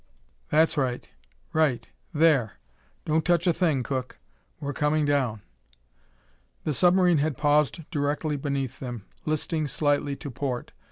That's right right there! Don't touch a thing, Cook! We're coming down." The submarine had paused directly beneath them, listing slightly to port.